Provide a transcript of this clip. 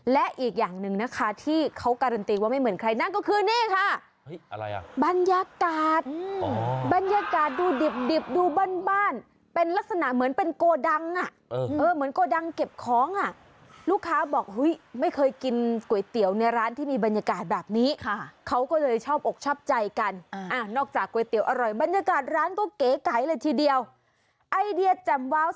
และอีกอย่างหนึ่งนะคะที่เขาการันตีว่าไม่เหมือนใครนั่นก็คือนี่ค่ะบรรยากาศบรรยากาศดูดิบดูบ้านบ้านเป็นลักษณะเหมือนเป็นโกดังอ่ะเหมือนโกดังเก็บของอ่ะลูกค้าบอกเฮ้ยไม่เคยกินก๋วยเตี๋ยวในร้านที่มีบรรยากาศแบบนี้ค่ะเขาก็เลยชอบอกชอบใจกันนอกจากก๋วยเตี๋ยวอร่อยบรรยากาศร้านก็เก๋ไก่เลยทีเดียวไอเดีย